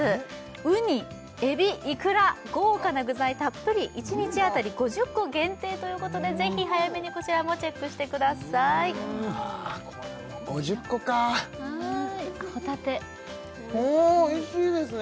ウニエビイクラ豪華な具材たっぷり１日当たり５０個限定ということでぜひ早めにこちらもチェックしてくださいこれも５０個かホタテおいしいですね